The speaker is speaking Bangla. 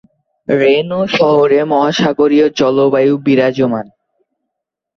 রেন শহরে মহাসাগরীয় জলবায়ু বিরাজমান।